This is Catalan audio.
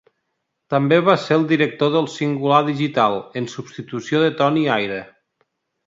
També va ser el director d'El Singular Digital, en substitució de Toni Aira.